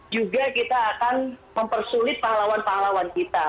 juga kita akan mempersulit pahlawan pahlawan kita